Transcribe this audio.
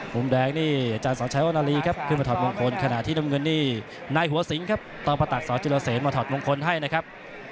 มุมแดงนี่อาจารย์สองชัยโอนาลีครับ